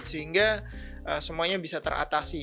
sehingga semuanya bisa teratasi